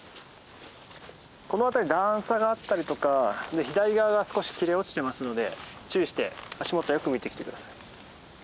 この辺り段差があったりとか左側が少し切れ落ちてますので注意して足元をよく見て来て下さい。